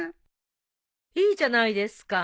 いいじゃないですか。